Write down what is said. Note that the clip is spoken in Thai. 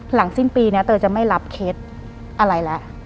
หลังสิ้นปีนี้เตยจะไม่รับเคล็ดอะไรแล้ว